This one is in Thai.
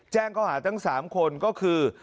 แจ้งข้อหาทั้ง๓คนก็คือ